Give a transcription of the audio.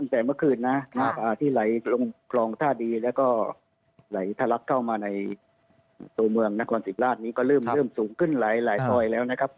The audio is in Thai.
แต่เมื่อคืนนะที่ไหลลงคลองท่าดีแล้วก็ไหลทะลักเข้ามาในตัวเมืองนครสิทธิราชนี้ก็เริ่มสูงขึ้นหลายซอยแล้วนะครับ